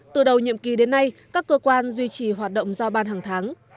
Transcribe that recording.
từ đầu nhiệm kỳ đến nay các cơ quan duy trì hoạt động giao ban hàng tháng